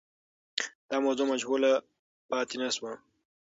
دا موضوع مجهوله پاتې نه سوه.